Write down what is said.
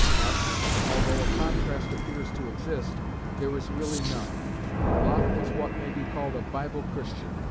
But, although a contrast appears to exist, there is really none. Locke was what may be called a Bible Christian.